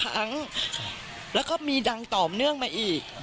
๒ครั้งแล้วเค้ามีดังตอบเรื่องมาอีก